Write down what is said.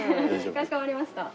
かしこまりました。